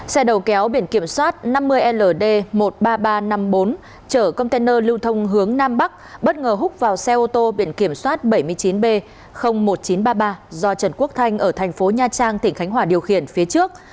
xe đầu kéo biển kiểm soát năm mươi ld một mươi ba nghìn ba trăm năm mươi bốn chở container lưu thông hướng nam bắc bất ngờ hút vào xe ô tô biển kiểm soát bảy mươi chín b một nghìn chín trăm ba mươi ba do trần quốc thanh ở thành phố nha trang tỉnh khánh hòa điều khiển phía trước